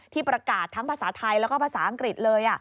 ประกาศทั้งภาษาไทยแล้วก็ภาษาอังกฤษเลย